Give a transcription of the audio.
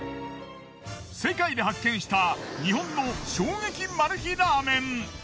世界で発見した日本の衝撃マル秘ラーメン。